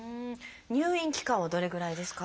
入院期間はどれぐらいですか？